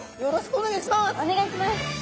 お願いします！